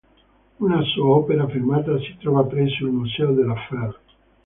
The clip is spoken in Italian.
Una sua opera firmata si trova presso il museo de La Fère.